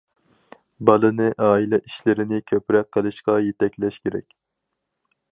بالىنى ئائىلە ئىشلىرىنى كۆپرەك قىلىشقا يېتەكلەش كېرەك.